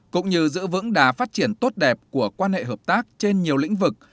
cũng như giữ vững đà phát triển tốt đẹp của quan hệ hợp tác trên nhiều lĩnh vực